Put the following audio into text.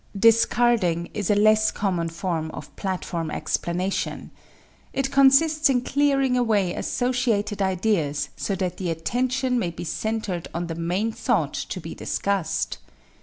=Discarding= is a less common form of platform explanation. It consists in clearing away associated ideas so that the attention may be centered on the main thought to be discussed.